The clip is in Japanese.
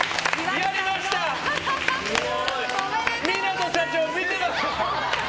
港社長見てますか！